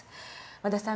和田さん